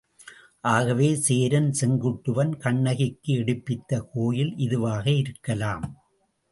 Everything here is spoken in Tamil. ஆகவே சேரன் செங்குட்டுவன் கண்ணகிக்கு எடுப்பித்த கோயில் இதுவாக இருக்கலாம்.